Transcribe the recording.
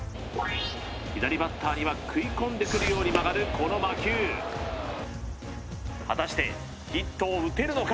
左バッターには食い込んでくるように曲がるこの魔球果たしてヒットを打てるのか？